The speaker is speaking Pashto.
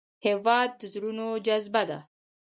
هېواد د زړونو جذبه ده.